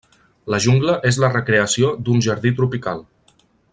La Jungla és la recreació d'un jardí tropical.